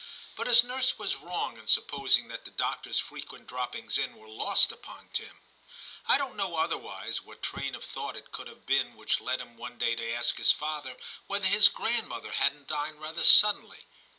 But his nurse was wrong in supposing that the doctor s frequent droppings in were lost upon Tim. I don't know otherwise what train of thought it could have been which led him one day to ask his father whether his grandmother hadn't died rather suddenly.